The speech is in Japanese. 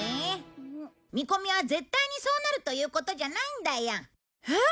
みこみは絶対にそうなるということじゃないんだよ。えっ！？